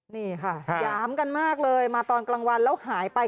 นี่ค่ะหยามกันมากเลยมาตอนกลางวันแล้วหายไป